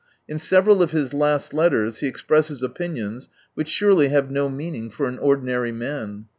In several of his last letters he expresses opinions which surely have no meaning for an ordinary man.